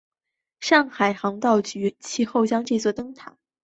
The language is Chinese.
上海航道局其后把这座灯楼改建为干电池供电的灯塔。